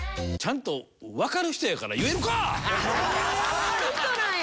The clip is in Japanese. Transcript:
わかる人なんや。